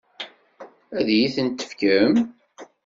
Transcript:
Ad iyi-tent-tefkem?